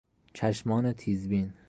چشمان تیزبین